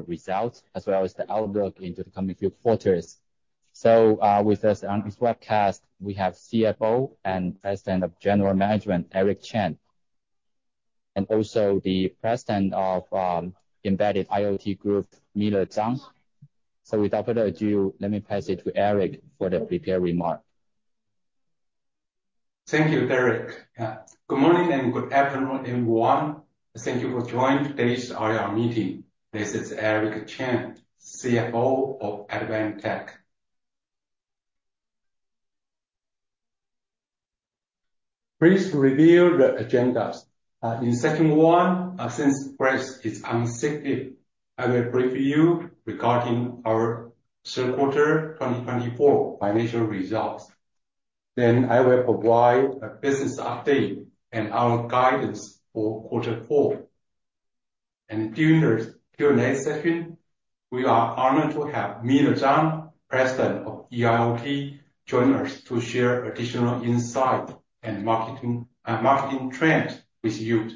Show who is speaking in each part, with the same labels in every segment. Speaker 1: Results, as well as the outlook into the coming few quarters. So with us on this webcast, we have CFO and President of General Management, Eric Chen, and also the President of Embedded IoT Group, Miller Chang. So without further ado, let me pass it to Eric for the prepared remark.
Speaker 2: Thank you, Derek. Good morning and good afternoon, everyone. Thank you for joining today's IR meeting. This is Eric Chen, CFO of Advantech. Please review the agenda. In second one, since Grace is on sick leave, I will brief you regarding our third quarter 2024 financial results. Then I will provide a business update and our guidance for quarter four. And during this session, we are honored to have Miller Chang, President of EIoT, join us to share additional insights and market trends with you.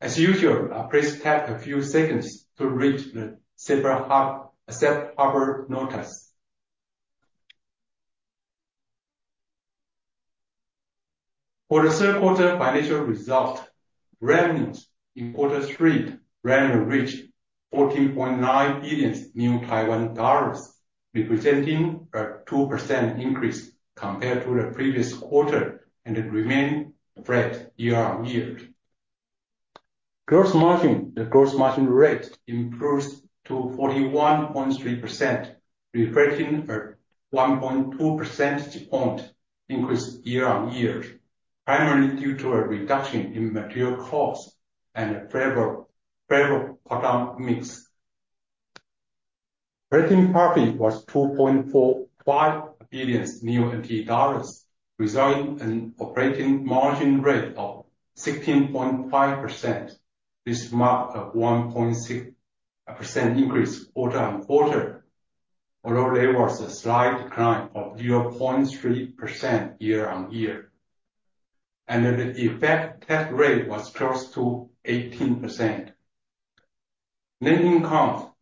Speaker 2: As usual, please take a few seconds to read the safe harbor notice. For the third quarter financial result, revenues in quarter three reached 14.9 billion, representing a 2% increase compared to the previous quarter and remained flat year on year. Gross margin, the gross margin rate, improves to 41.3%, reflecting a 1.2 percentage point increase year on year, primarily due to a reduction in material costs and a favorable product mix. Operating profit was NT$2.45 billion, resulting in an operating margin rate of 16.5%, which marked a 1.6% increase quarter on quarter, although there was a slight decline of 0.3% year on year, and the effective tax rate was close to 18%. Net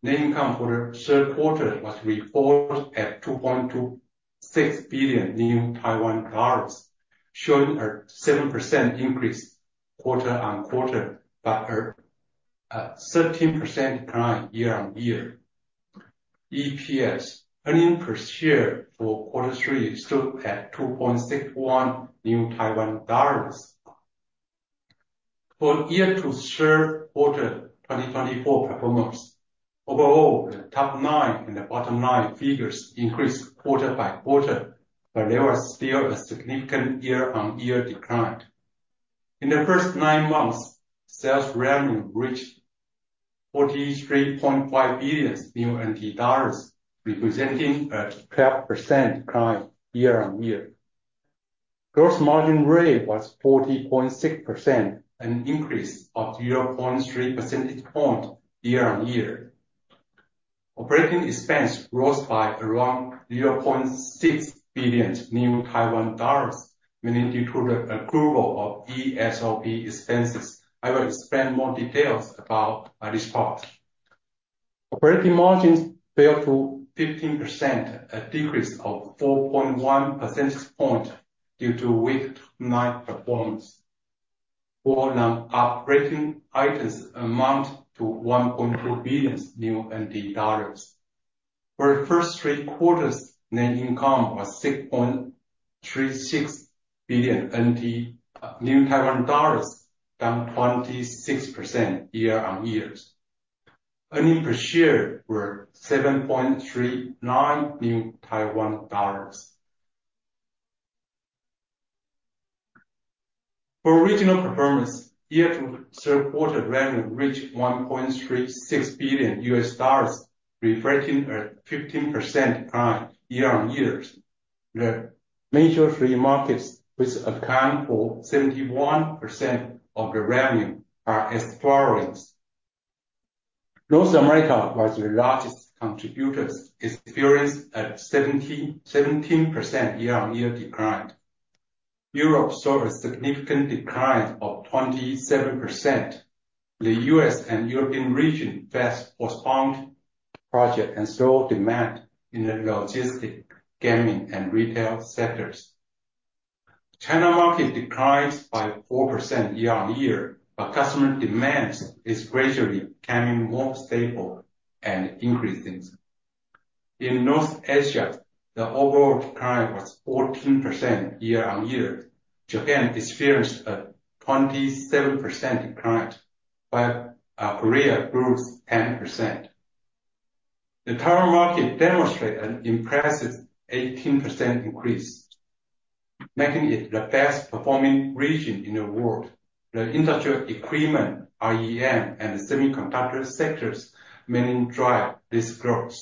Speaker 2: income for the third quarter was reported at NT$2.26 billion, showing a 7% increase quarter on quarter, but a 13% decline year on year. EPS, earnings per share for quarter three, stood at NT$2.61. For year-to-date third quarter 2024 performance, overall, the top line and the bottom line figures increased quarter by quarter, but there was still a significant year on year decline. In the first nine months, sales revenue reached NT$43.5 billion, representing a 12% decline year on year. Gross margin rate was 40.6%, an increase of 0.3% point year on year. Operating expense rose by around NT$0.6 billion, mainly due to the approval of ESOP expenses. I will explain more details about this part. Operating margins fell to 15%, a decrease of 4.1% point due to weak EIoT performance. For non-operating items, amount to NT$1.2 billion. For the first three quarters, net income was NT$6.36 billion, down 26% year on year. Earnings per share were NT$7.39. For regional performance, year to third quarter revenue reached $1.36 billion, reflecting a 15% decline year on year. The major three markets, which account for 71% of the revenue, are exploring. North America was the largest contributor, experienced a 17% year on year decline. Europe saw a significant decline of 27%. The US and European region faced postponed project and slow demand in the logistics, gaming, and retail sectors. China market declined by 4% year on year, but customer demand is gradually becoming more stable and increasing. In North Asia, the overall decline was 14% year on year. Japan experienced a 27% decline, while Korea grew 10%. The ASEAN market demonstrated an impressive 18% increase, making it the best performing region in the world. The industrial equipment, AMR, and semiconductor sectors mainly drive this growth.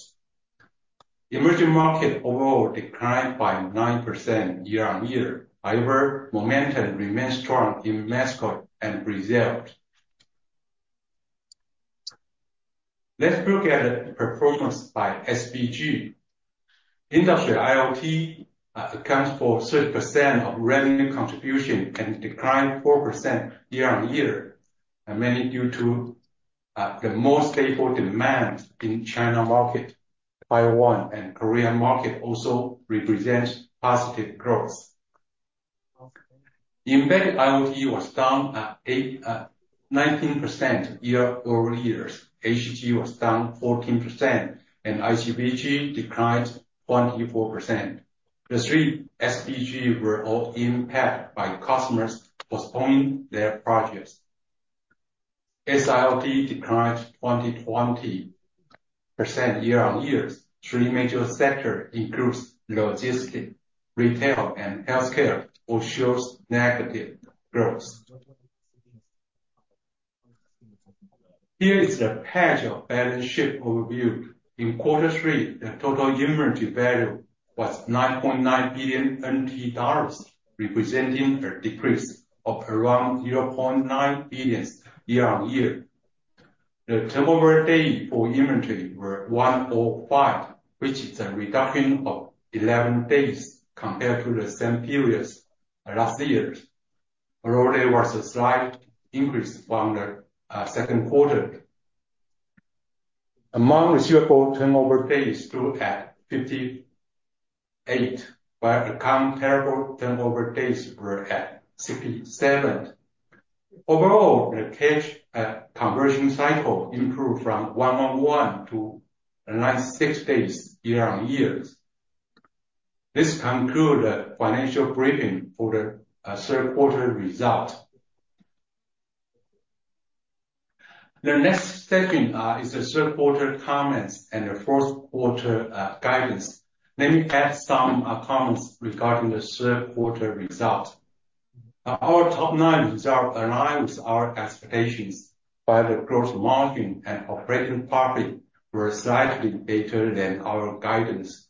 Speaker 2: Emerging market overall declined by 9% year on year. However, momentum remains strong in Mexico and Brazil. Let's look at the performance by SBG. Industrial IoT accounts for 30% of revenue contribution and declined 4% year over year, mainly due to the more stable demand in China market. Taiwan and Korea market also represent positive growth. Embedded IoT was down 19% year over year. ACG was down 14%, and ICVG declined 24%. The three SBG were all impacted by customers postponing their projects. SIoT declined 20% year over year. Three major sectors include logistics, retail, and healthcare, which shows negative growth. Here is the page of balance sheet overview. In quarter three, the total inventory value was NT$9.9 billion, representing a decrease of around NT$0.9 billion year over year. The turnover day for inventory were 105, which is a reduction of 11 days compared to the same period last year. Although there was a slight increase from the second quarter. Accounts receivable turnover days stood at 58, while accounts payable turnover days were at 67. Overall, the cash conversion cycle improved from 111 to 96 days year on year. This concludes the financial briefing for the third quarter result. The next session is the third quarter comments and the fourth quarter guidance. Let me add some comments regarding the third quarter result. Our Q3 results align with our expectations, while the gross margin and operating profit were slightly better than our guidance.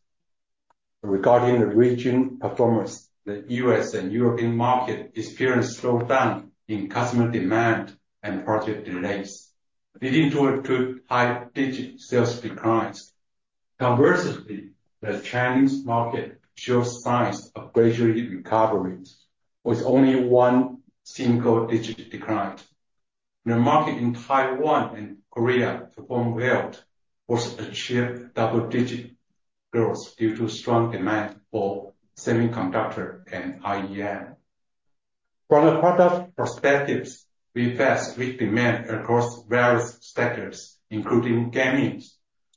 Speaker 2: Regarding regional performance, the U.S. and European markets experienced slowdown in customer demand and project delays, leading to double-digit sales declines. Conversely, the Chinese market showed signs of gradually recovering, with only a single-digit decline. The market in Taiwan and Korea performed well, which achieved double-digit growth due to strong demand for semiconductor and IEMS. From the product perspective, we faced weak demand across various sectors, including gaming,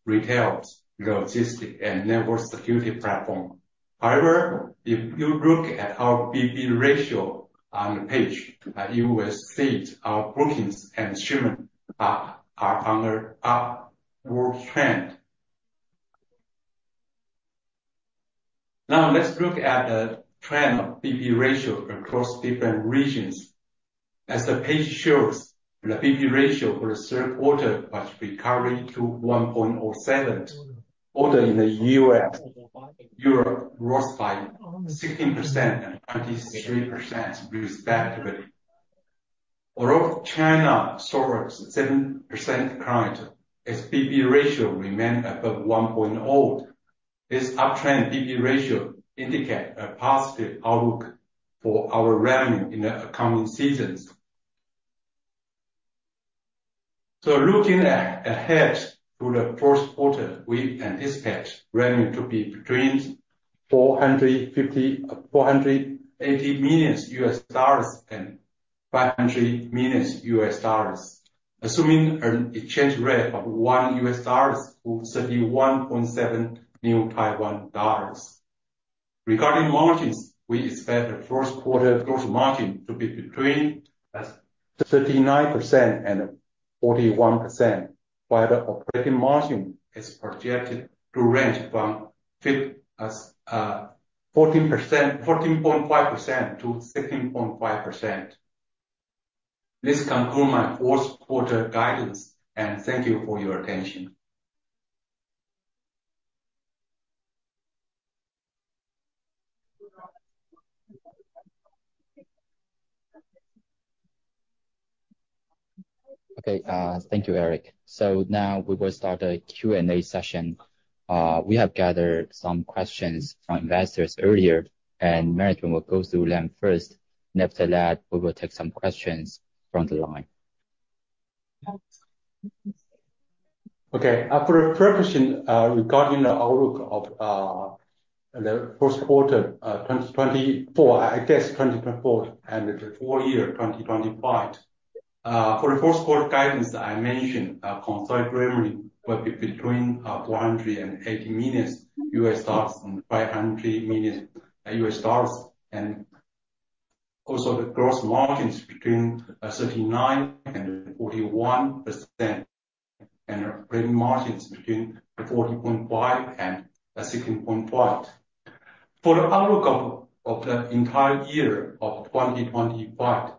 Speaker 2: retail, logistics, and network security platforms. However, if you look at our BB ratio on the page, you will see our bookings and shipments are on an upward trend. Now, let's look at the trend of BB ratio across different regions. As the page shows, the BB ratio for the third quarter was recovering to 1.07, although in the U.S. and Europe, it rose by 16% and 23% respectively. Although China saw a 7% decline, its BB ratio remained above 1.0. This uptrend BB ratio indicates a positive outlook for our revenue in the coming seasons. Looking ahead to the fourth quarter, we anticipate revenue to be between $480 million and $500 million, assuming an exchange rate of $1 to 31.7. Regarding margins, we expect the fourth quarter gross margin to be between 39% and 41%, while the operating margin is projected to range from 14.5% to 16.5%. This concludes my fourth quarter guidance, and thank you for your attention.
Speaker 1: Okay, thank you, Eric. So now we will start the Q&A session. We have gathered some questions from investors earlier, and Management will go through them first. And after that, we will take some questions from the line.
Speaker 2: Okay, for the purposes regarding the outlook of the first quarter 2024, I guess 2024 and the full year 2025, for the fourth quarter guidance, I mentioned consolidated revenue will be between $480 million and $500 million. And also the gross margins between 39% and 41%, and operating margins between 40.5% and 16.5%. For the outlook of the entire year of 2025,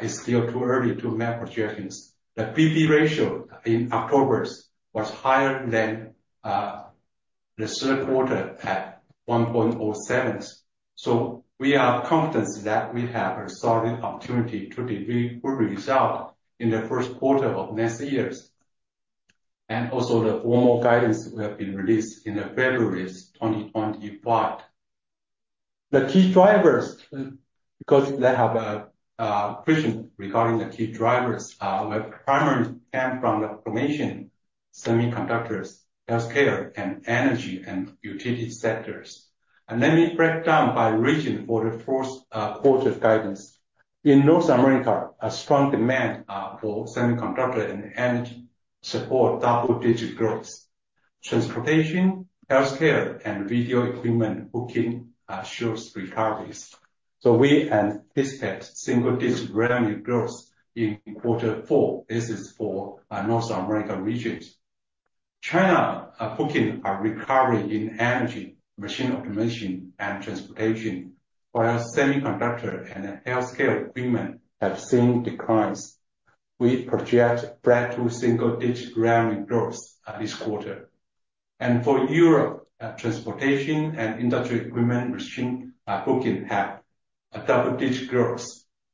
Speaker 2: it's still too early to make projections. The BB ratio in October was higher than the third quarter at 1.07. So we are confident that we have a solid opportunity to deliver good results in the first quarter of next year. And also the formal guidance will be released in February 2025. The key drivers, because they have a question regarding the key drivers, will primarily come from the automation, semiconductors, healthcare, and energy and utility sectors. And let me break down by region for the fourth quarter guidance. In North America, a strong demand for semiconductor and energy supports double-digit growth. Transportation, healthcare, and video equipment booking shows recoveries. So we anticipate single-digit revenue growth in quarter four. This is for North America regions. China bookings are recovering in energy, machine automation, and transportation, while semiconductor and healthcare equipment have seen declines. We project breakthrough single-digit revenue growth this quarter. And for Europe, transportation and industrial equipment bookings have double-digit growth.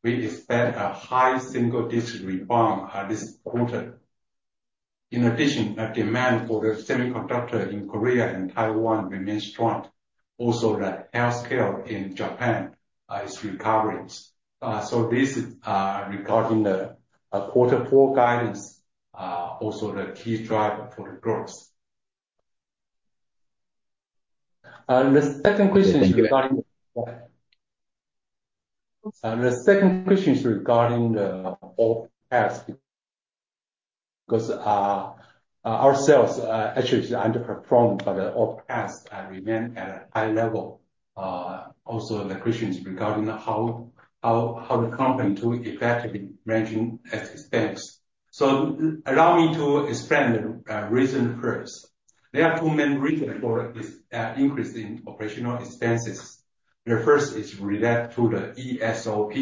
Speaker 2: We expect a high single-digit return this quarter. In addition, the demand for the semiconductor in Korea and Taiwan remains strong. Also, the healthcare in Japan is recovering. So this is regarding the quarter four guidance, also the key driver for the growth. The second question is regarding the OpEx because our sales actually underperformed, but the OpEx remained at a high level. Also, the question is regarding how the company to effectively manage expense. So allow me to explain the reason first. There are two main reasons for this increase in operational expenses. The first is related to the ESOP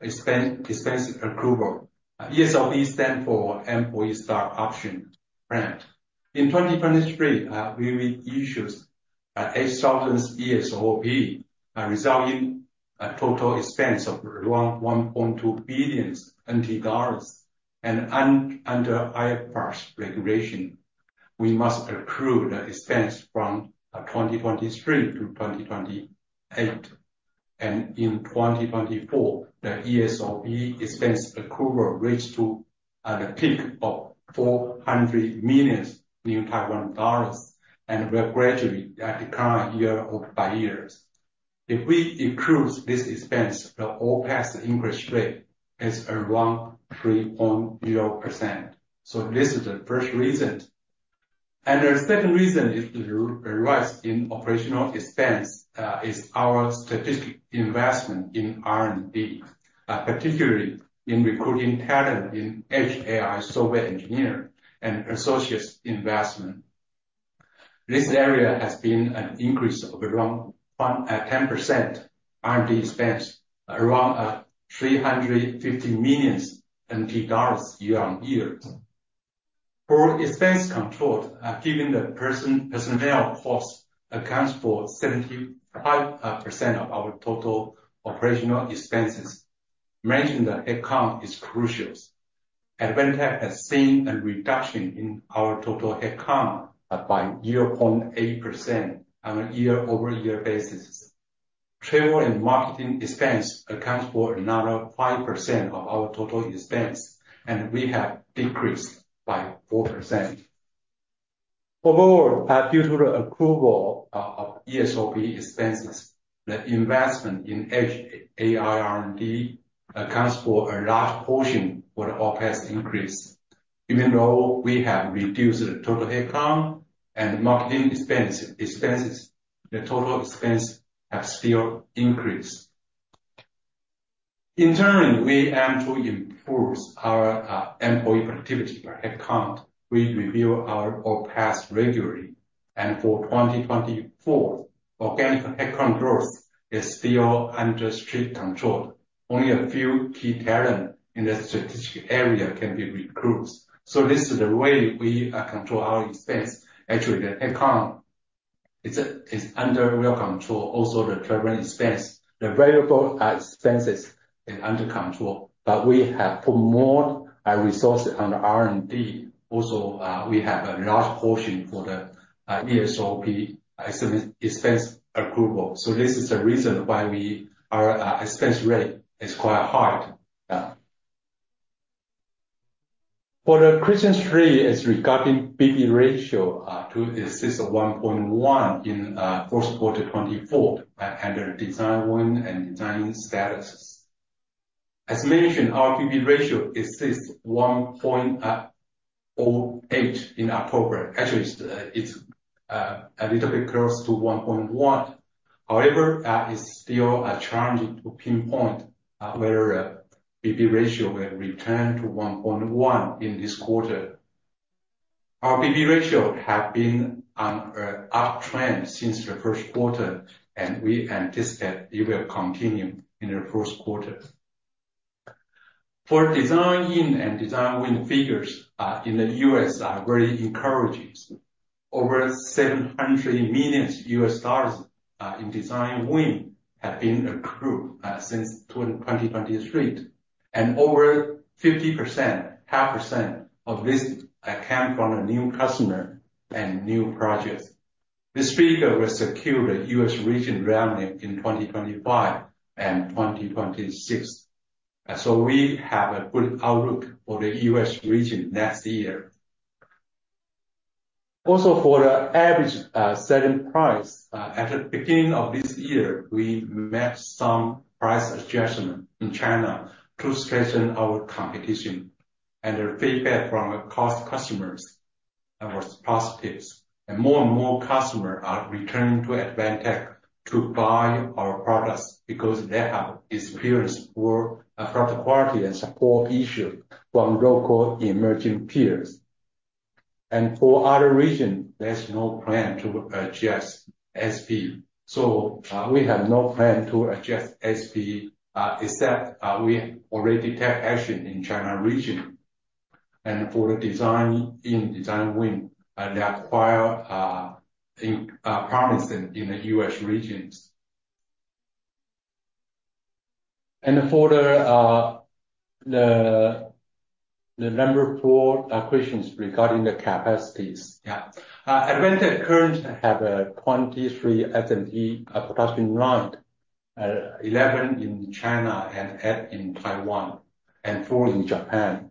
Speaker 2: expense approval. ESOP stands for Employee Stock Option Grant. In 2023, we issued 8,000 ESOP, resulting in a total expense of around 1.2 billion NT dollars. And under IFRS regulation, we must accrue the expense from 2023 to 2028. And in 2024, the ESOP expense approval reached to the peak of 400 million, and we're gradually declining year by year. If we accrue this expense, the OpEx increase rate is around 3.0%. So this is the first reason. The second reason is the rise in operational expense is our strategic investment in R&D, particularly in recruiting talent in Edge AI software engineering and associated investment. This area has been an increase of around 10% R&D expense, around NT$350 million year on year. For expense control, given the personnel cost accounts for 75% of our total operational expenses, managing the headcount is crucial. Advantech has seen a reduction in our total headcount by 0.8% on a year-over-year basis. Travel and marketing expense accounts for another 5% of our total expense, and we have decreased by 4%. Overall, due to the accrual of ESOP expenses, the investment in Edge AI R&D accounts for a large portion of the overall increase. Even though we have reduced the total headcount and marketing expenses, the total expense has still increased. Internally, we aim to improve our employee productivity per headcount. We review our OpEx regularly. For 2024, organic headcount growth is still under strict control. Only a few key talents in the strategic area can be recruited. So this is the way we control our expense. Actually, the headcount is under real control. Also, the travel expense, the variable expenses are under control, but we have put more resources on R&D. Also, we have a large portion for the ESOP expense accrual. So this is the reason why our expense rate is quite high. For question three, it's regarding BB ratio to assist 1.1 in fourth quarter 2024 under design win and designing status. As mentioned, our BB ratio exists 1.08 in October. Actually, it's a little bit close to 1.1. However, it's still challenging to pinpoint whether BB ratio will return to 1.1 in this quarter. Our BB ratio has been on an uptrend since the first quarter, and we anticipate it will continue in the first quarter. For design-win and design-in figures in the U.S. are very encouraging. Over $700 million in design-win have been accrued since 2023. And over 50%, half percent of this came from a new customer and new projects. This figure will secure the U.S. region revenue in 2025 and 2026. So we have a good outlook for the U.S. region next year. Also, for the average selling price, at the beginning of this year, we made some price adjustment in China to strengthen our competition. And the feedback from our customers was positive. And more and more customers are returning to Advantech to buy our products because they have experienced poor product quality and support issues from local emerging peers. For other regions, there's no plan to adjust SP. So we have no plan to adjust ASP except we already take action in China region. For the design-in design-win, they acquire promising in the U.S. regions. For question number four regarding the capacities, Advantech currently has 23 SMT production lines, 11 in China and eight in Taiwan, and four in Japan.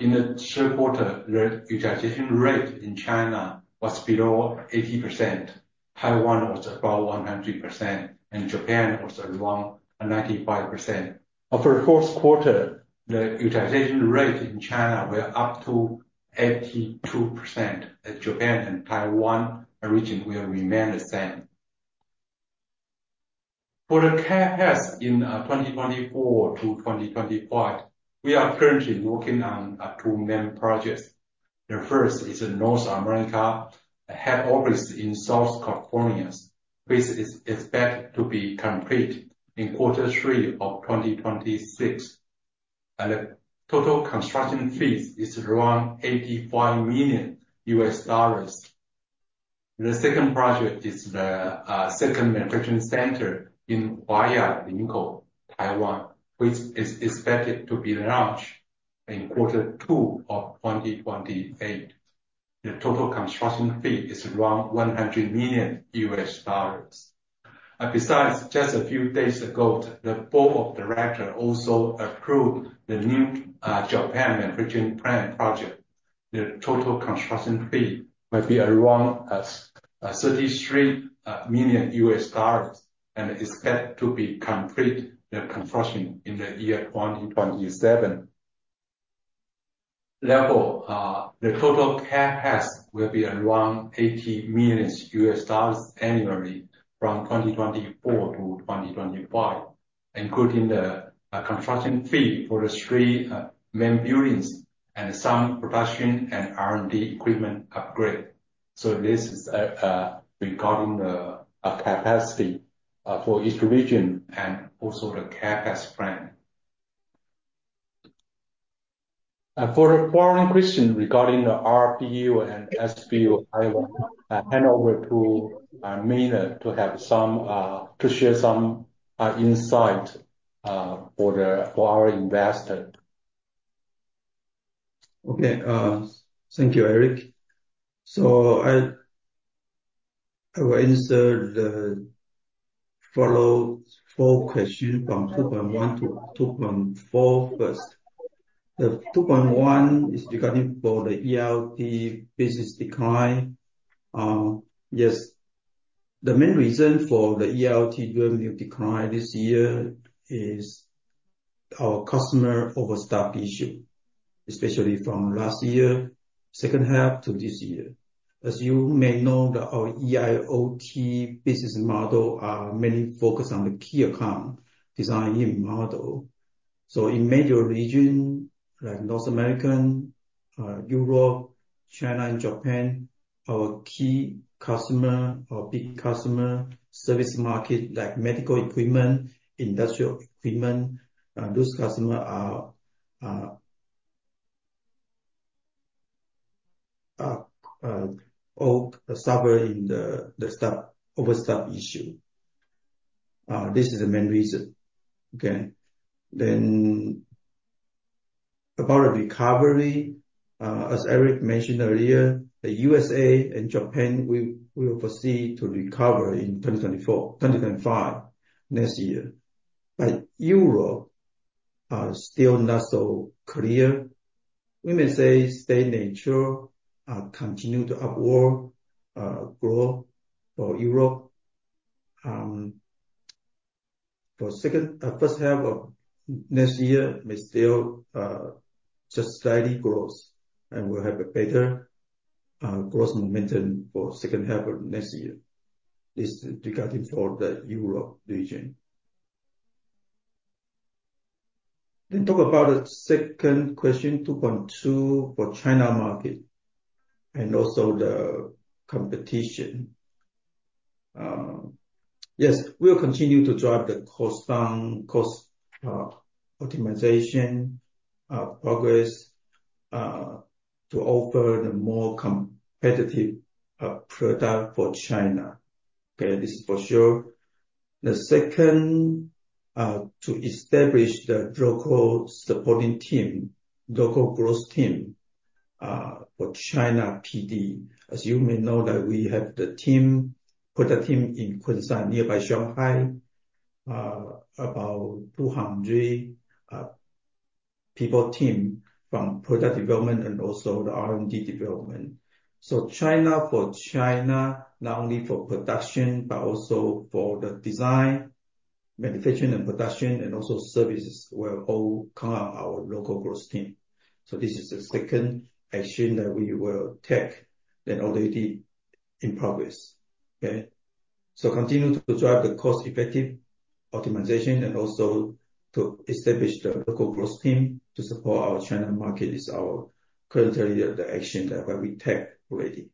Speaker 2: In the third quarter, the utilization rate in China was below 80%. Taiwan was about 100%, and Japan was around 95%. For the fourth quarter, the utilization rate in China was up to 82%. Japan and Taiwan region will remain the same. For the CapEx in 2024-2025, we are currently working on two main projects. The first is North America head office in Southern California. This is expected to be completed in quarter three of 2026. The total construction fees are around $85 million. The second project is the second manufacturing center in Huaya, Linkou, Taiwan, which is expected to be launched in quarter two of 2028. The total construction fee is around $100 million. Besides, just a few days ago, the board of directors also approved the new Japan manufacturing plant project. The total construction fee will be around $33 million, and it's expected to be completed in the year 2027. Lastly, the total CapEx will be around $80 million annually from 2024 to 2025, including the construction fee for the three main buildings and some production and R&D equipment upgrade. So this is regarding the capacity for each region and also the CapEx plan. For the following question regarding the RBU and SBU, I will hand over to Miller to share some insight for our investor.
Speaker 3: Okay, thank you, Eric. So I will answer the follow-up four questions from 2.1 to 2.4 first. The 2.1 is regarding for the EIoT business decline. Yes, the main reason for the EIoT revenue decline this year is our customer overstock issue, especially from last year's second half to this year. As you may know, our EIoT business model mainly focuses on the key account design-in model. So in major regions like North America, Europe, China, and Japan, our key customers, our big customer service markets like medical equipment, industrial equipment, those customers are all suffering in the overstock issue. This is the main reason. Okay. Then about the recovery, as Eric mentioned earlier, the USA and Japan will proceed to recover in 2024, 2025 next year. But Europe is still not so clear. We may say state nature continues to upward growth for Europe. For the second first half of next year, it may still just slightly grow, and we'll have a better growth momentum for the second half of next year. This is regarding for the Europe region. Then talk about the second question, 2.2, for China market and also the competition. Yes, we'll continue to drive the cost optimization progress to offer the more competitive product for China. Okay, this is for sure. The second, to establish the local supporting team, local growth team for China PD. As you may know, we have the product team in Kunshan, nearby Shanghai, about 200 people team from product development and also the R&D development. So China for China, not only for production, but also for the design, manufacturing, and production, and also services will all come out of our local growth team. So this is the second action that we will take that is already in progress. Okay. So continue to drive the cost-effective optimization and also to establish the local growth team to support our China market. This is currently the action that we take already.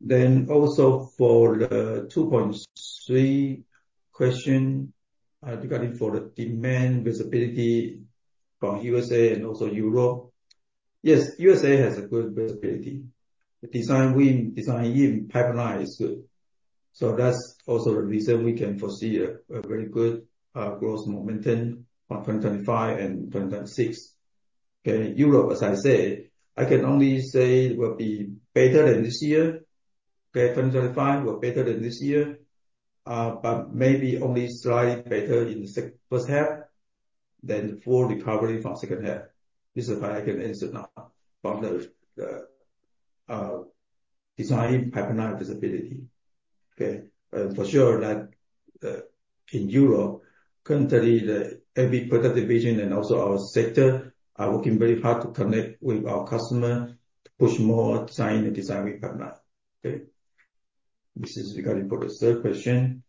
Speaker 3: Then also for the 2.3 question regarding the demand visibility from USA and also Europe. Yes, USA has a good visibility. The design-win, design-in pipeline is good. So that's also the reason we can foresee a very good growth momentum for 2025 and 2026. Okay. Europe, as I said, I can only say will be better than this year. Okay, 2025 will be better than this year, but maybe only slightly better in the first half than full recovery from second half. This is why I can answer now from the design pipeline visibility. Okay. For sure that in Europe, currently the heavy product division and also our sector are working very hard to connect with our customers, push more design-in and design-win pipeline. Okay. This is regarding for the third question.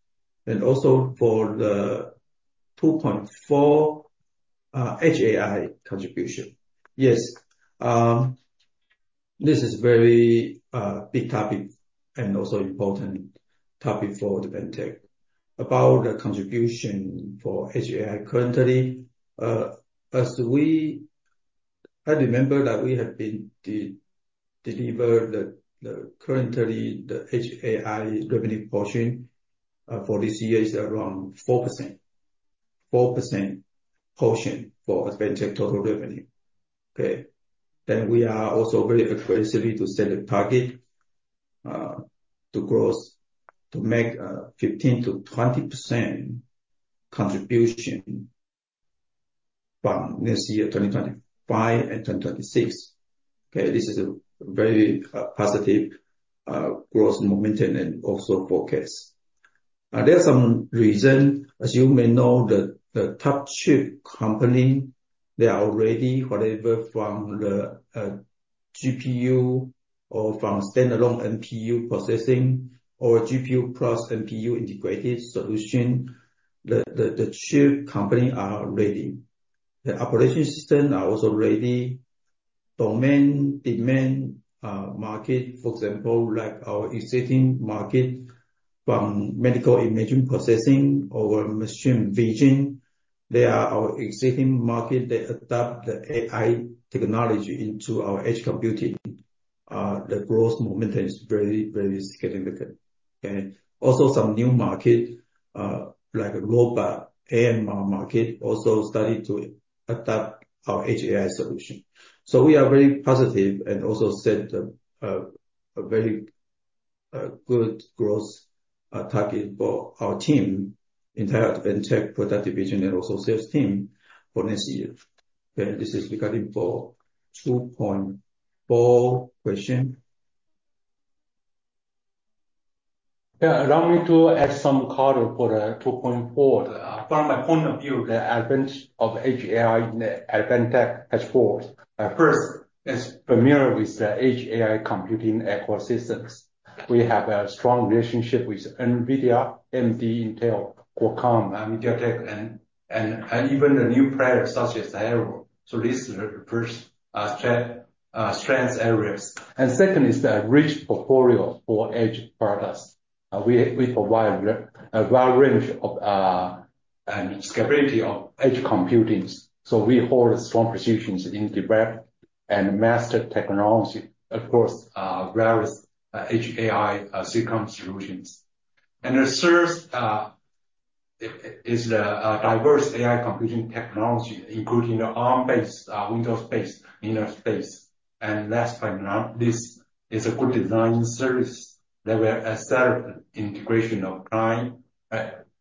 Speaker 3: And also for the 2.4 Edge AI contribution. Yes. This is a very big topic and also important topic for Advantech. About the contribution for Edge AI currently, as I remember that we have been delivered the currently the Edge AI revenue portion for this year is around 4%, 4% portion for Advantech total revenue. Okay. Then we are also very aggressive to set a target to growth to make a 15%-20% contribution from next year, 2025 and 2026. Okay. This is a very positive growth momentum and also forecast. There are some reasons. As you may know, the top chip company, they are ready, whether from the GPU or from standalone NPU processing or GPU plus NPU integrated solution. The chip companies are ready. The operating systems are also ready. Domain demand market, for example, like our existing market from medical imaging processing or machine vision, they are our existing market. They adopt the AI technology into our edge computing. The growth momentum is very, very significant. Okay. Also, some new markets like robot AMR market also started to adopt our Edge AI solution. So we are very positive and also set a very good growth target for our team, entire Advantech product division and also sales team for next year. Okay. This is regarding for 2.4 question.
Speaker 2: Yeah. Allow me to add some comment for the 2.4. From my point of view, the advancement of Edge AI in the Advantech platform, first, we're familiar with the Edge AI computing ecosystem. We have a strong relationship with NVIDIA, AMD, Intel, Qualcomm, MediaTek, and even the new players such as Hailo. So these are the first strength areas. And second is the rich portfolio for edge products. We provide a wide range of scalability of edge computing. So we hold strong positions in developed and mastered technology across various Edge AI silicon solutions. And the third is the diverse AI computing technology, including the ARM-based, Windows-based infrastructure. And last but not least, it's a good design service that will accelerate the integration of client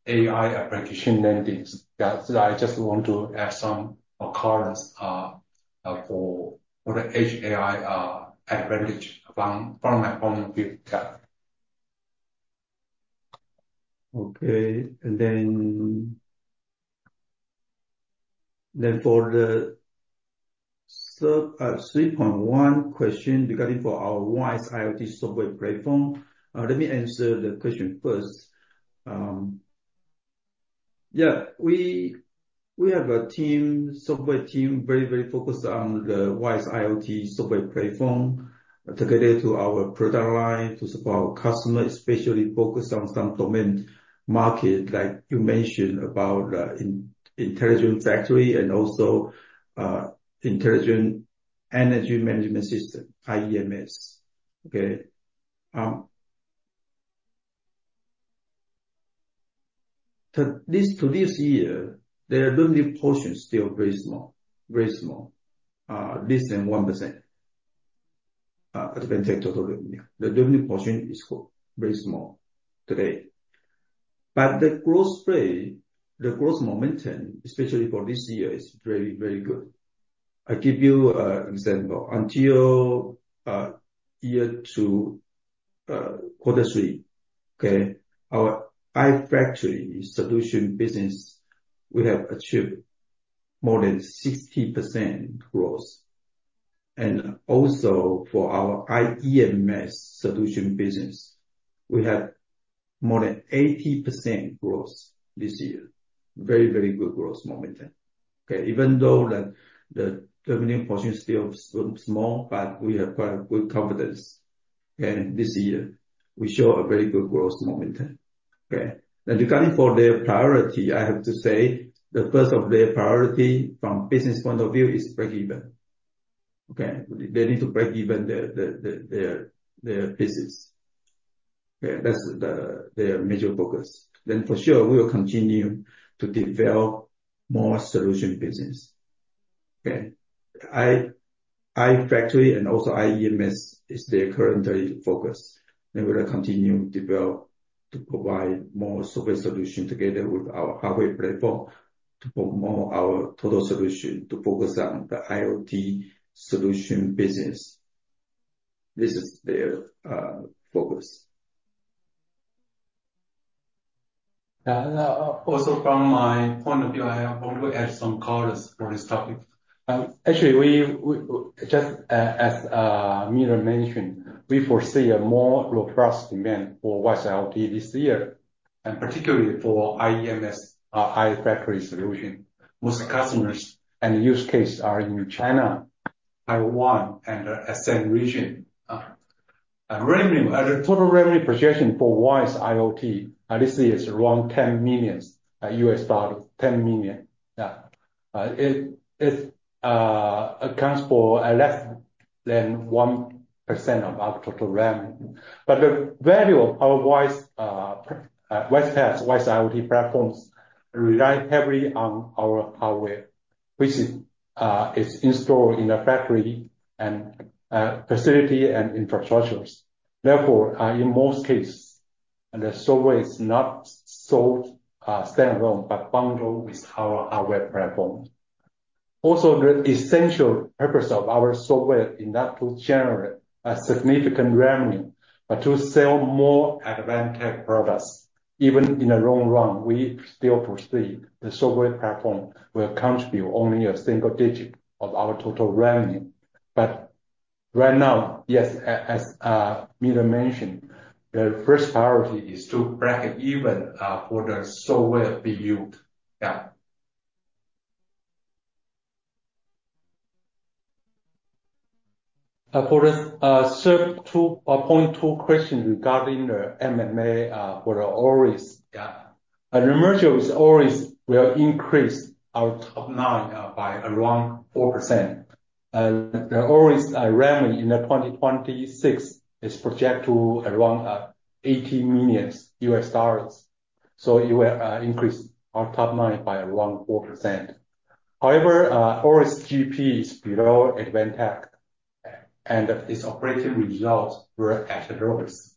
Speaker 2: AI application development. So I just want to add some comments for the Edge AI advantage from my point of view.
Speaker 3: Okay. And then for the 3.1 question regarding for our WISE-IoT software platform, let me answer the question first. Yeah. We have a team, software team, very, very focused on the WISE- IoT software platform, targeted to our product line to support our customers, especially focused on some domain markets like you mentioned about the intelligent factory and also intelligent energy management system, IEMS. Okay. To this year, the revenue portion is still very small, very small, less than 1% of the total revenue. The revenue portion is very small today. But the growth rate, the growth momentum, especially for this year, is very, very good. I give you an example. Until year two, quarter three, okay, our iFactory solution business, we have achieved more than 60% growth. And also for our IEMS solution business, we have more than 80% growth this year. Very, very good growth momentum. Even though the revenue portion is still small, but we have quite a good confidence. This year, we show a very good growth momentum, and regarding for their priority, I have to say the first of their priority from a business point of view is break-even. They need to break-even their business. That's their major focus, then for sure, we will continue to develop more solution business. iFactory and also IEMS is their current focus. They will continue to develop to provide more software solutions together with our hardware platform to promote our total solution to focus on the IoT solution business. This is their focus. Yeah. And also from my point of view, I want to add some comments for this topic. Actually, just as Miller mentioned, we foresee a more robust demand for WISE-IoT this year, and particularly for IEMS, our iFactory solution. Most customers and use cases are in China, Taiwan, and the ASEAN region. Total revenue projection for WISE-IoT, this is around $10 million, $10 million. Yeah. It accounts for less than 1% of our total revenue. But the value of our WISE-IoT platforms relies heavily on our hardware, which is installed in the factory and facility and infrastructures. Therefore, in most cases, the software is not sold standalone, but bundled with our hardware platform. Also, the essential purpose of our software is not to generate significant revenue, but to sell more Advantech products. Even in the long run, we still foresee the software platform will contribute only a single digit of our total revenue. But right now, yes, as Miller mentioned, the first priority is to break-even for the software we use. For the third Q2 question regarding the M&A for Aures. The merger with Aures will increase our top line by around 4%. The Aures revenue in 2026 is projected to be around $80 million. So it will increase our top line by around 4%. However, Aures GP is below Advantech, and its operating results were at the lowest.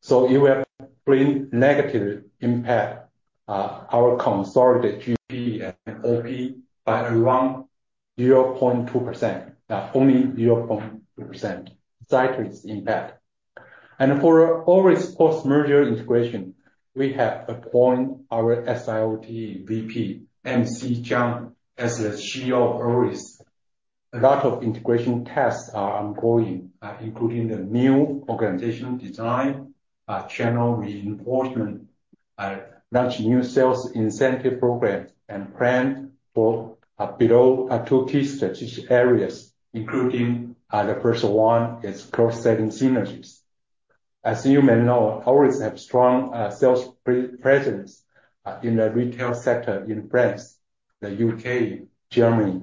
Speaker 3: So it will bring negative impact to our consolidated GP and OP by around 0.2%, only 0.2%. Slight impact. And for Aures post-merger integration, we have appointed our SIoT VP, MC Chiang, as the CEO of Aures. A lot of integration tasks are ongoing, including the new organization design, channel reinforcement, launch new sales incentive program, and plan for below two key strategic areas, including the first one is cross-selling synergies. As you may know, Aures has a strong sales presence in the retail sector in France, the U.K., Germany,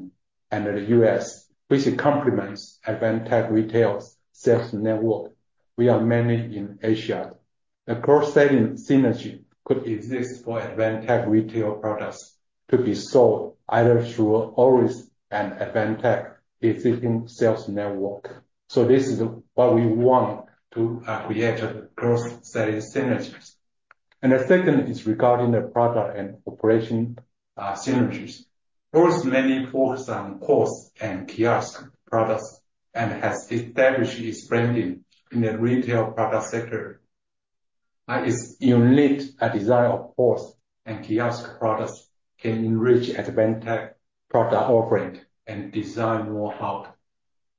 Speaker 3: and the U.S., which complements Advantech's retail sales network. We are mainly in Asia. The cross-selling synergy could exist for Advantech retail products to be sold either through Aures and Advantech existing sales network. So this is what we want to create a cross-selling synergy, and the second is regarding the product and operation synergies. Aures mainly focuses on POS and kiosk products and has established its branding in the retail product sector. Its unique design of POS and kiosk products can enrich Advantech product offering and design know-how.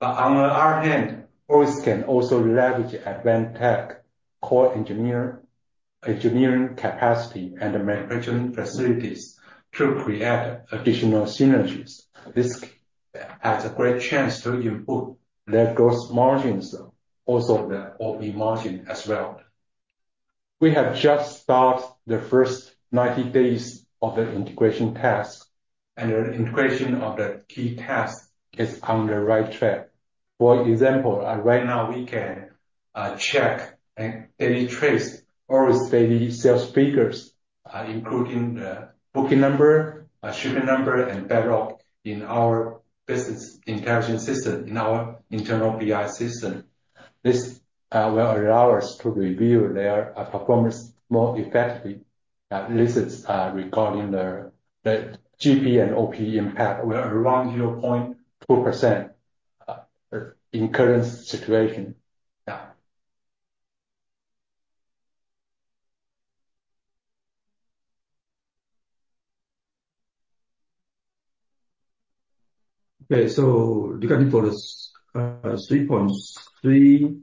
Speaker 3: But on the other hand, Aures can also leverage Advantech core engineering capacity and manufacturing facilities to create additional synergies. This has a great chance to improve their gross margins, also the OP margin as well. We have just started the first 90 days of the integration task, and the integration of the key tasks is on the right track. For example, right now we can check and daily trace Aures daily sales figures, including the booking number, shipping number, and backlog in our business intelligence system, in our internal BI system. This will allow us to review their performance more effectively. This is regarding the GP and OP impact will be around 0.2% in the current situation. Yeah. Okay. So regarding for the 3.3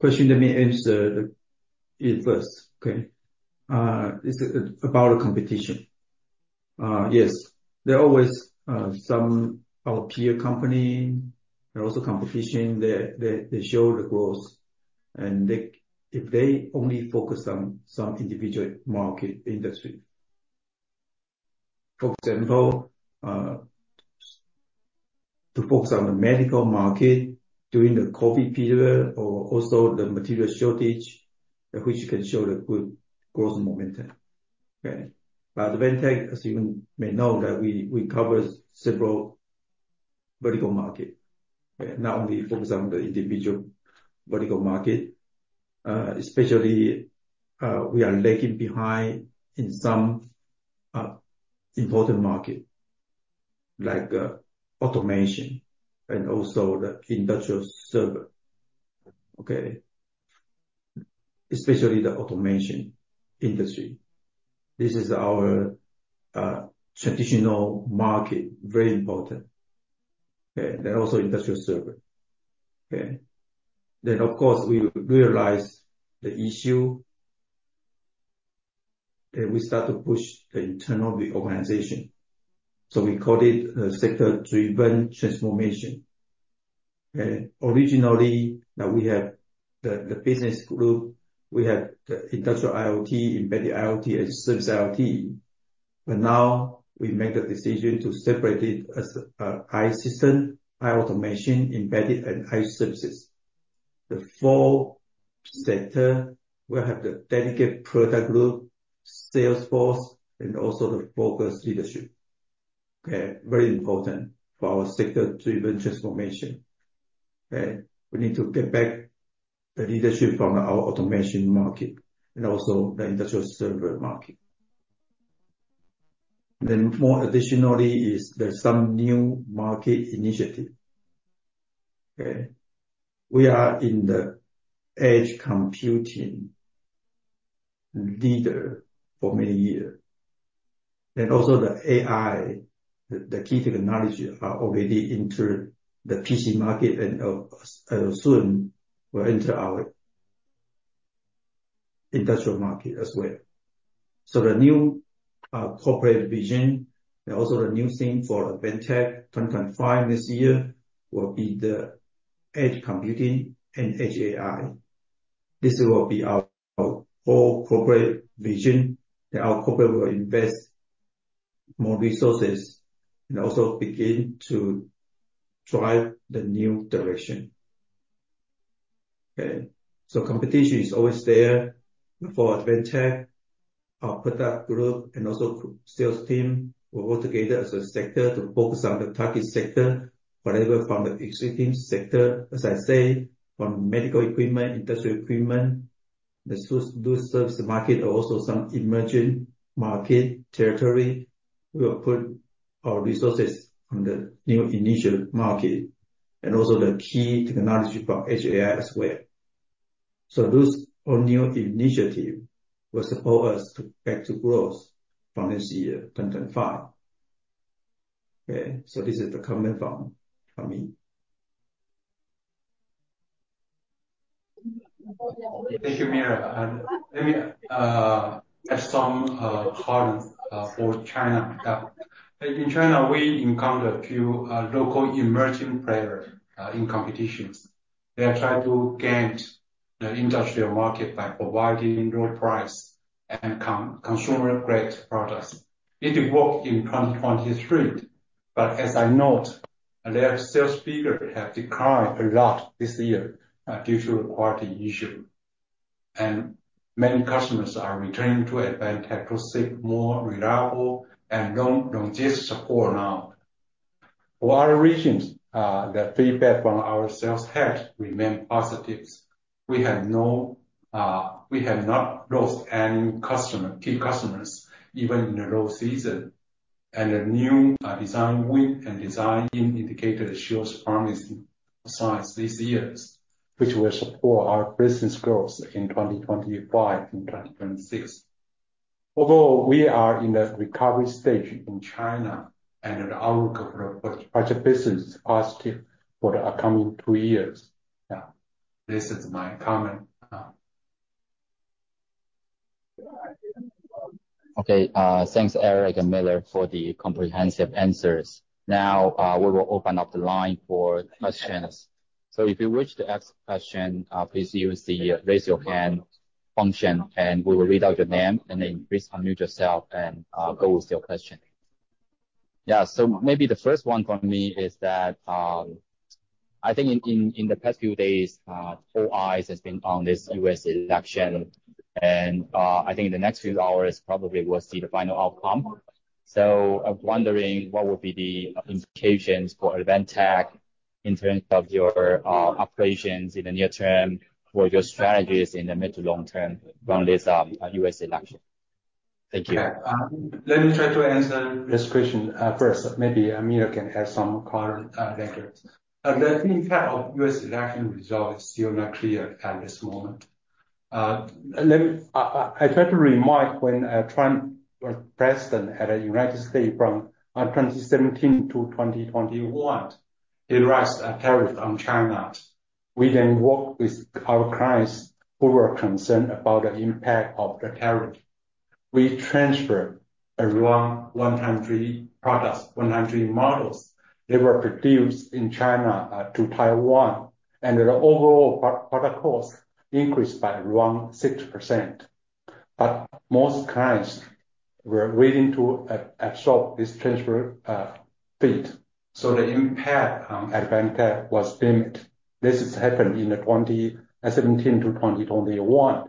Speaker 3: question, let me answer the first. Okay. It's about the competition. Yes. There are always some peer companies and also competition. They show the growth. And if they only focus on some individual market industry, for example, to focus on the medical market during the COVID period or also the material shortage, which can show the good growth momentum. Okay. But Advantech, as you may know, that we cover several vertical markets, not only focus on the individual vertical market, especially we are lagging behind in some important markets like automation and also the industrial server. Okay. Especially the automation industry. This is our traditional market, very important. Okay. And also industrial server. Okay. Then, of course, we realize the issue, and we start to push the internal organization. So we call it a sector-driven transformation. Okay. Originally, we had the business group. We had the industrial IoT, embedded IoT, and service IoT. But now we made the decision to separate it as iSystems, iAutomation, embedded, and iService. The four sectors will have the dedicated product group, sales force, and also the focused leadership. Okay. Very important for our sector-driven transformation. Okay. We need to get back the leadership from our automation market and also the industrial server market. Then more additionally, there's some new market initiative. Okay. We are an edge computing leader for many years. And also the AI, the key technologies are already into the PC market, and soon will enter our industrial market as well. So the new corporate vision and also the new thing for Advantech 2025 this year will be the edge computing and edge AI. This will be our core corporate vision. Our corporation will invest more resources and also begin to drive the new direction. Okay. So competition is always there. For Advantech, our product group and also sales team will work together as a sector to focus on the target sector, whatever from the existing sector, as I say, from medical equipment, industrial equipment, the new service market, or also some emerging market territory. We will put our resources on the new initial market and also the key technology for Edge AI as well. So those new initiatives will support us to back to growth from this year, 2025. Okay. So this is the comment from me.
Speaker 2: Thank you, Miller. Let me add some comments for China. In China, we encountered a few local emerging players in competition. They are trying to gain the industrial market by providing low price and consumer-grade products. It worked in 2023, but as I note, their sales figures have declined a lot this year due to quality issues, and many customers are returning to Advantech to seek more reliable and long, long-distance support now. For other regions, the feedback from our sales heads remained positive. We have not lost any key customers even in the low season, and the new design-win and design-in shows promising signs this year, which will support our business growth in 2025 and 2026. Although we are in the recovery stage in China and our corporate project business is positive for the upcoming two years. Yeah. This is my comment.
Speaker 1: Okay. Thanks, Eric and Miller, for the comprehensive answers. Now, we will open up the line for questions. So if you wish to ask a question, please use the raise your hand function, and we will read out your name, and then please unmute yourself and go with your question. Yeah. So maybe the first one for me is that I think in the past few days, all eyes have been on this U.S. election, and I think in the next few hours, probably we'll see the final outcome. So I'm wondering what would be the implications for Advantech in terms of your operations in the near term for your strategies in the mid to long term around this U.S. election. Thank you.
Speaker 2: Let me try to answer this question first. Maybe Miller can add some comment later. The impact of U.S. election results is still not clear at this moment. I tried to remind when Trump was president at the United States from 2017 to 2021, it raised tariffs on China. We then worked with our clients who were concerned about the impact of the tariff. We transferred around 193 products, 193 models. They were produced in China to Taiwan, and the overall product cost increased by around 6%. But most clients were willing to absorb this transfer fee. So the impact on Advantech was limited. This happened in 2017 to 2021.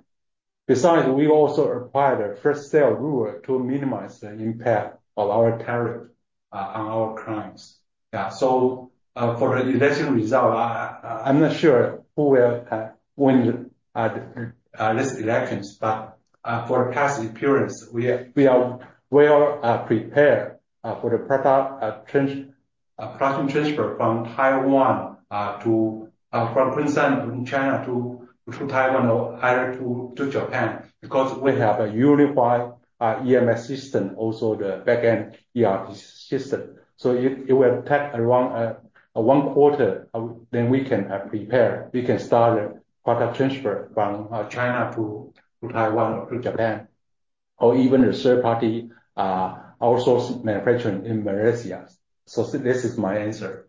Speaker 2: Besides, we also applied a first sale rule to minimize the impact of our tariff on our clients. Yeah. So for the election result, I'm not sure who will win this election, but for the past appearance, we are well prepared for the production transfer from China to Taiwan or to Japan because we have a unified EMS system, also the back-end ERP system. So it will take around one quarter, then we can prepare. We can start the product transfer from China to Taiwan or to Japan or even the third-party outsourced manufacturing in Malaysia. So this is my answer.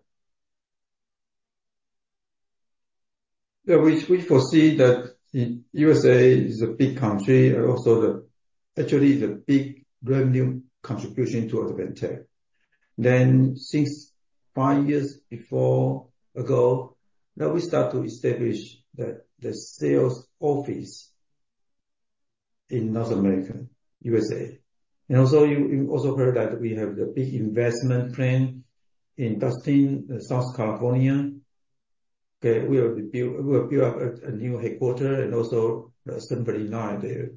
Speaker 3: We foresee that the USA is a big country, also actually the big revenue contribution to Advantech. Since five years ago, we start to establish the sales office in North America, USA. Also you also heard that we have the big investment plan in Tustin, Southern California. Okay. We will build up a new headquarters and also the assembly line there.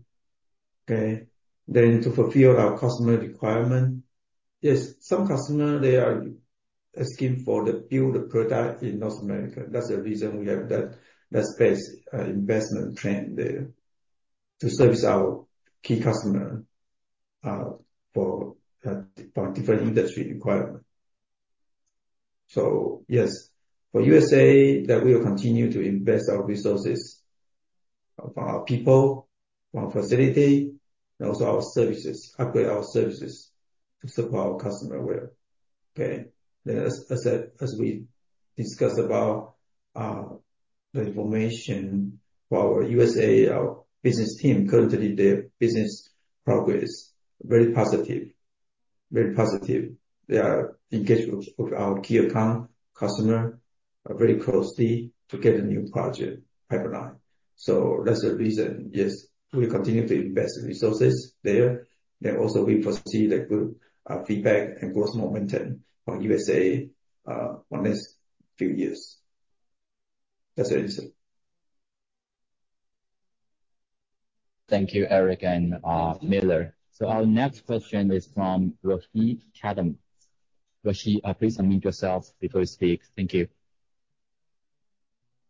Speaker 3: Okay. To fulfill our customer requirement, yes, some customers, they are asking for the build product in North America. That's the reason we have that capex investment plan there to service our key customers for different industry requirements. Yes, for USA, that we will continue to invest our resources, our people, our facility, and also our services, upgrade our services to support our customer well. Okay. As we discussed about the information for our USA, our business team, currently their business progress is very positive, very positive. They are engaged with our key account customer very closely to get a new project pipeline. So that's the reason, yes, we continue to invest resources there. We also foresee the good feedback and growth momentum for USA for the next few years. That's the answer.
Speaker 1: Thank you, Eric and Miller. So our next question is from Roshi Chatham. Roshi, please unmute yourself before you speak. Thank you.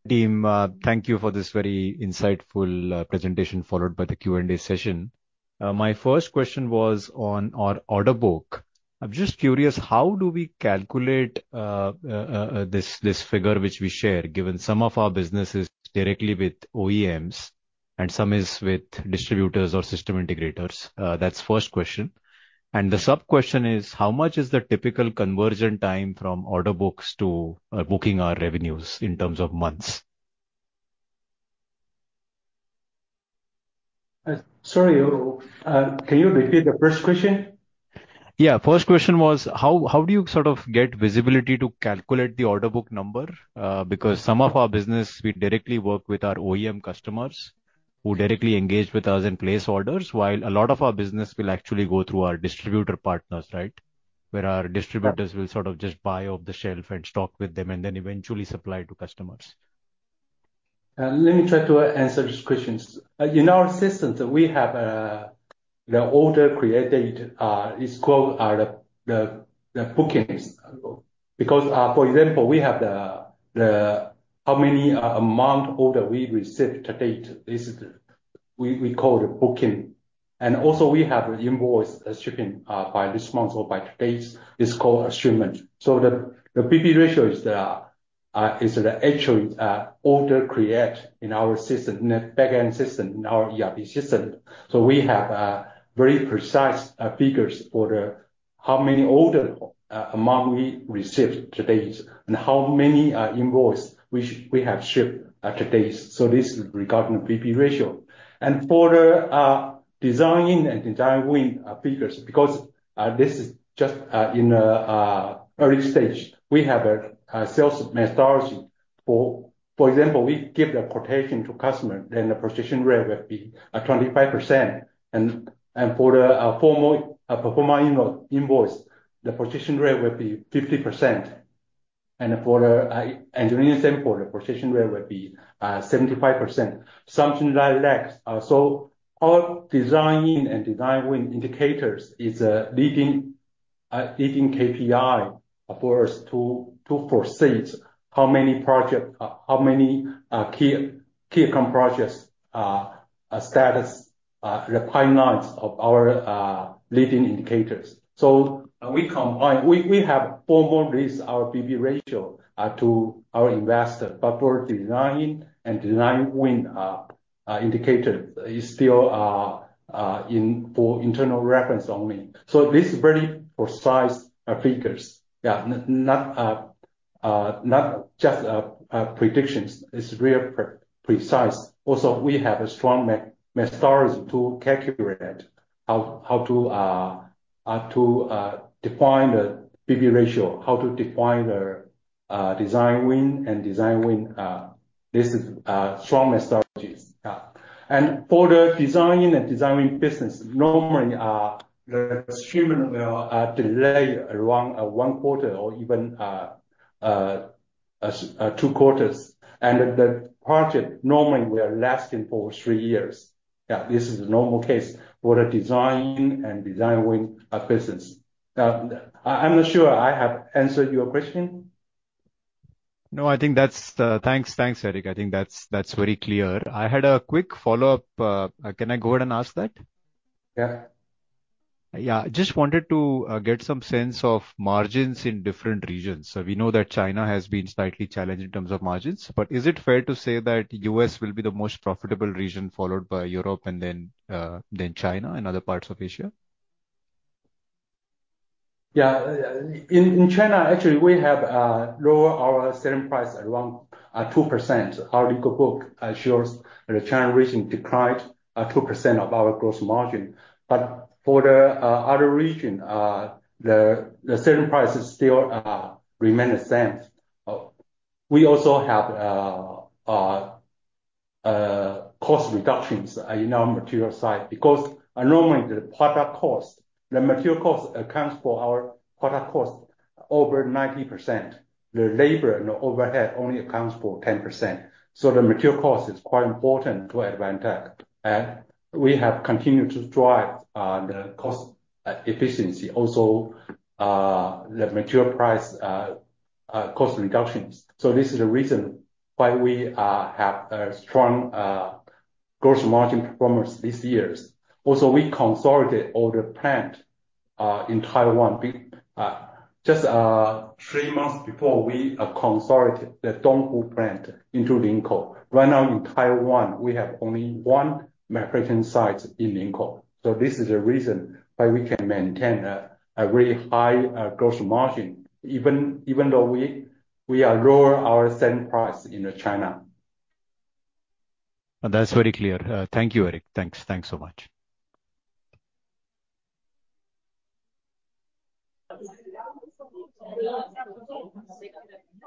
Speaker 1: Team, thank you for this very insightful presentation followed by the Q&A session. My first question was on our order book. I'm just curious, how do we calculate this figure which we share, given some of our business is directly with OEMs and some is with distributors or system integrators? That's the first question. And the sub-question is, how much is the typical conversion time from order books to booking our revenues in terms of months?
Speaker 2: Sorry, can you repeat the first question? Yeah. First question was, how do you sort of get visibility to calculate the order book number? Because some of our business, we directly work with our OEM customers who directly engage with us and place orders, while a lot of our business will actually go through our distributor partners, right, where our distributors will sort of just buy off the shelf and stock with them and then eventually supply to customers. Let me try to answer this question. In our system, we have the order created; it's called the bookings. Because, for example, we have the how many amount order we received to date. This is what we call the bookings. And also we have the invoice shipping by this month or by to date. It's called shipments. So the BB ratio is the actual order create in our system, back-end system in our ERP system. So we have very precise figures for how many order amount we received to date and how many invoice we have shipped to date. So this is regarding the BB ratio. And for the design-in and design-win figures, because this is just in the early stage, we have a sales methodology. For example, we give the quotation to customer; then the conversion rate will be 25%. And for the formal production invoice, the conversion rate will be 50%. And for the engineering sample, the conversion rate will be 75%. Something like that. So our design-in and design-win indicators is a leading KPI for us to foresee how many projects, how many key account projects status requirements of our leading indicators. So we formally list our BB ratio to our investor, but for design-in and design-win indicator, it's still for internal reference only. So this is very precise figures. Yeah. Not just predictions. It's real precise. Also, we have a strong methodology to calculate how to define the BB ratio, how to define the design-in and design-win. This is strong methodology. And for the design-in and design-win business, normally the mass production will delay around one quarter or even two quarters. And the project normally will last for three years. Yeah. This is a normal case for the design and design win business. I'm not sure I have answered your question. No, I think that's it. Thanks, thanks, Eric. I think that's very clear. I had a quick follow-up. Can I go ahead and ask that? Yeah. Yeah. I just wanted to get some sense of margins in different regions. So we know that China has been slightly challenged in terms of margins, but is it fair to say that U.S. will be the most profitable region followed by Europe and then China and other parts of Asia? Yeah. In China, actually, we have lower our selling price around 2%. Our legal book shows the China region declined 2% of our gross margin. But for the other region, the selling price still remained the same. We also have cost reductions in our material side because normally the product cost, the material cost accounts for our product cost over 90%. The labor and overhead only accounts for 10%. So the material cost is quite important to Advantech. And we have continued to drive the cost efficiency, also the material price cost reductions. So this is the reason why we have a strong gross margin performance these years. Also, we consolidated all the plant in Taiwan just three months before we consolidated the Donghu plant into Linkou. Right now in Taiwan, we have only one manufacturing site in Linkou. So this is the reason why we can maintain a very high gross margin, even though we are lowering our selling price in China. That's very clear. Thank you, Eric. Thanks. Thanks so much.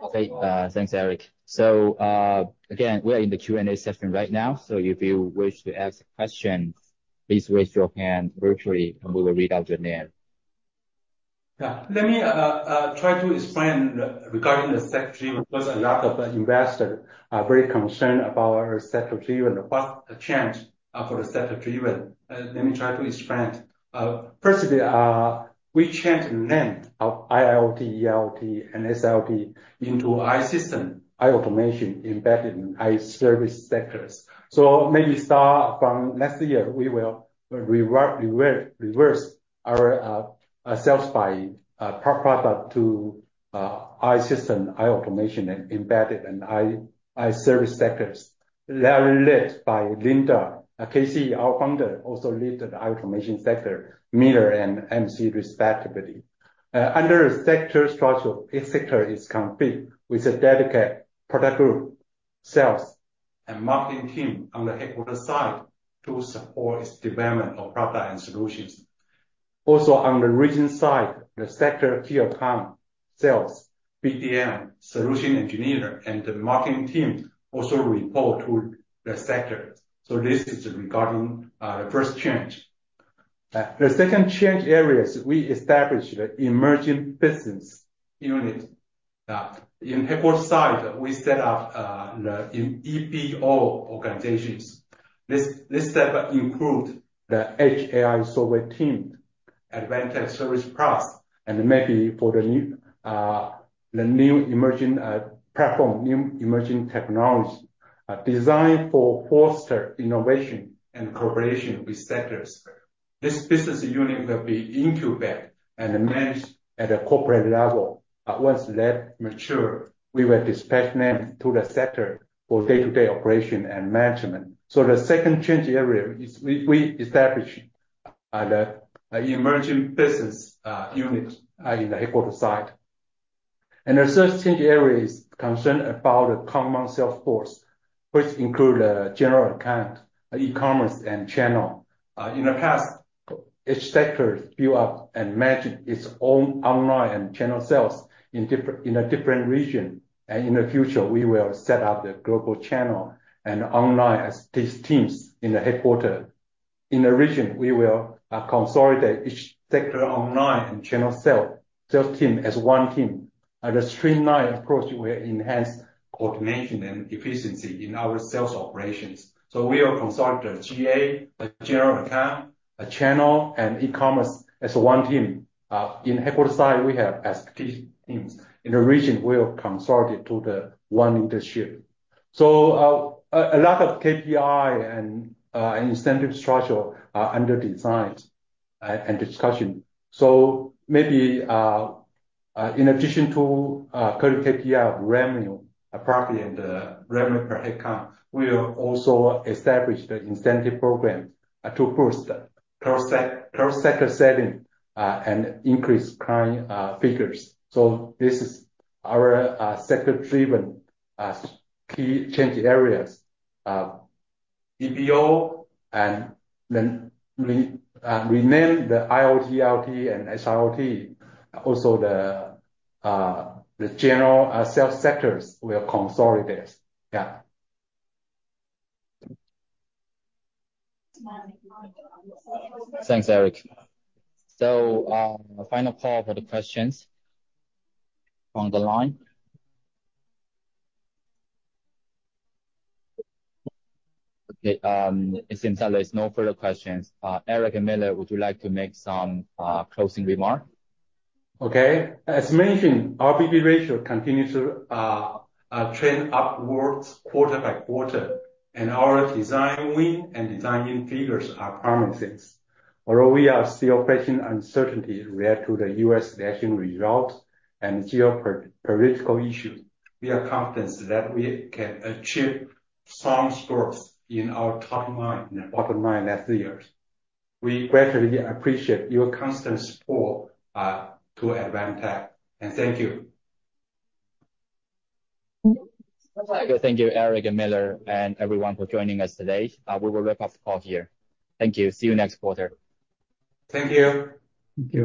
Speaker 1: Okay. Thanks, Eric. So again, we are in the Q&A session right now. So if you wish to ask a question, please raise your hand virtually and we will read out your name.
Speaker 2: Yeah. Let me try to explain regarding the sector driven because a lot of investors are very concerned about our sector driven and what changed for the sector driven. Let me try to explain. Firstly, we changed the name of IIoT, EIoT, and SIoT into iSystems, iAutomation, Embedded and iService sectors. So maybe start from next year, we will report our sales by product to iSystems, iAutomation, and Embedded and iService sectors. Led by Linda, KC, our founder, also lead the iAutomation sector, Miller and MC respectively. Under the sector structure, each sector is configured with a dedicated product group, sales, and marketing team on the headquarters side to support its development of product and solutions. Also on the region side, the sector key account, sales, BDM, solution engineer, and the marketing team also report to the sector. So this is regarding the first change. The second change areas, we established the emerging business unit. In headquarters side, we set up the EBO organizations. This step includes the Edge AI software team, Advantech Service Plus, and maybe for the new emerging platform, new emerging technology designed to foster innovation and cooperation with sectors. This business unit will be incubated and managed at a corporate level. Once that mature, we will dispatch them to the sector for day-to-day operation and management. So the second change area is we established the emerging business unit in the headquarters side. And the third change area is concerned about the common sales force, which includes the general account, e-commerce, and channel. In the past, each sector built up and managed its own online and channel sales in a different region. And in the future, we will set up the global channel and online sales teams in the headquarters. In the region, we will consolidate each sector online and channel sales team as one team. The streamlined approach will enhance coordination and efficiency in our sales operations. So we will consolidate the GA, the general account, channel, and e-commerce as one team. In headquarters side, we have as key teams. In the region, we will consolidate to the one leadership. So a lot of KPI and incentive structure are under design and discussion. So maybe in addition to current KPI of revenue, profitability, and the revenue per headcount, we will also establish the incentive program to boost per sector selling and increase client figures. So this is our sector-driven key change areas. EIoT and rename the IIoT, IoT, and SIoT. Also, the general sales sectors will consolidate. Yeah.
Speaker 1: Thanks, Eric. So final call for the questions on the line. Okay. It seems that there are no further questions. Eric and Miller, would you like to make some closing remarks?
Speaker 2: Okay. As mentioned, our BB ratio continues to trend upwards quarter by quarter. Our design-in and design-win figures are promising. Although we are still facing uncertainty related to the U.S. election results and geopolitical issues, we are confident that we can achieve strong strengths in our top line and bottom line next year. We gratefully appreciate your constant support to Advantech. Thank you.
Speaker 1: Thank you, Eric and Miller, and everyone for joining us today. We will wrap up the call here. Thank you. See you next quarter.
Speaker 2: Thank you.
Speaker 3: Thank you.